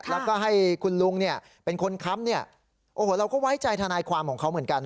แล้วก็ให้คุณลุงเนี่ยเป็นคนค้ำเนี่ยโอ้โหเราก็ไว้ใจทนายความของเขาเหมือนกัน